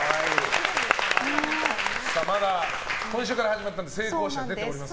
まだ今週から始まって成功者は出ておりません。